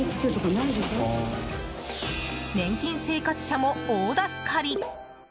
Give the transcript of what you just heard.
年金生活者も、大助かり。